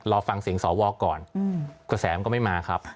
เราฟังเสียงสอบวอลก่อนกระแสมก็ไม่มาครับ